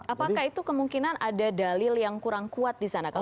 apakah itu kemungkinan ada dalil yang kurang kuat di sana